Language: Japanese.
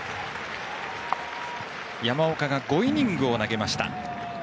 山岡が５イニングを投げました。